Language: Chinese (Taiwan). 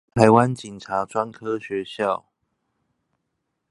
臺灣警察專科學校